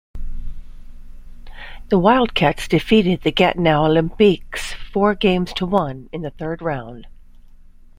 The Wildcats defeated the Gatineau Olympiques four games to one in the third round.